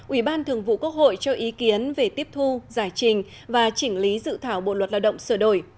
ủy ban thường vụ quốc hội cho ý kiến về tiếp thu giải trình và chỉnh lý dự thảo bộ luật lao động sửa đổi